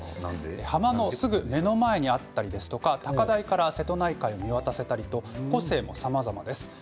浜のすぐ目の前にあったり高台から瀬戸内海を見渡せたり個性もさまざまです。